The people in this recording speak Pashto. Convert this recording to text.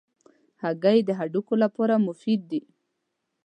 هګۍ د هډوکو لپاره مفید دي.